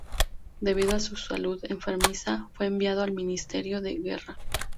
Debido a su salud enfermiza, fue enviado al Ministerio de Guerra.